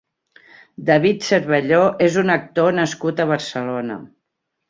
David Cervelló és un actor nascut a Barcelona.